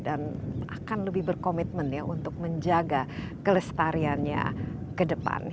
dan akan lebih berkomitmen ya untuk menjaga kelestariannya ke depan